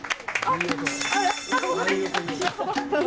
なるほどね。